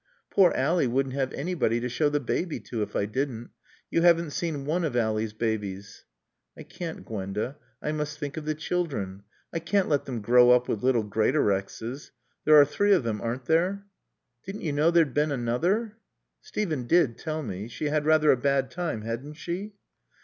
"Poor Ally wouldn't have anybody to show the baby to if I didn't. You haven't seen one of Ally's babies." "I can't, Gwenda. I must think of the children. I can't let them grow up with little Greatorexes. There are three of them, aren't there?" "Didn't you know there's been another?" "Steven did tell me. She had rather a bad time, hadn't she?"